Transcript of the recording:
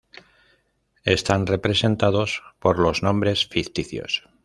Están representados por los nombres ficticios.